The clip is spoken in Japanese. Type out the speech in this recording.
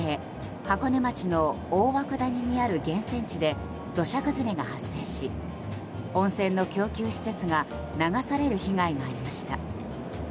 箱根町の大涌谷にある源泉地で土砂崩れが発生し温泉の供給施設が流される被害がありました。